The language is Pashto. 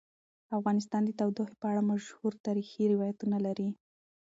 افغانستان د تودوخه په اړه مشهور تاریخی روایتونه لري.